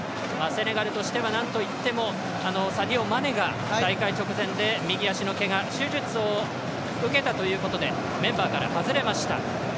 セネガルとしてはなんといっても大会直前、右足のけが手術を受けたということでメンバーから外れました。